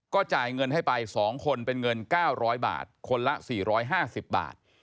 จ่ายเงินให้ไป๒คนเป็นเงิน๙๐๐บาทคนละ๔๕๐บาท